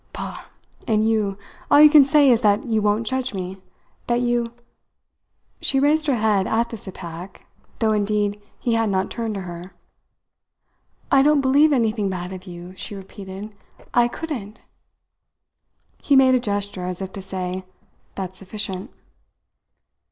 Pah! And you all you can say is that you won't judge me; that you " She raised her head at this attack, though indeed he had not turned to her. "I don't believe anything bad of you," she repeated. "I couldn't." He made a gesture as if to say: "That's sufficient."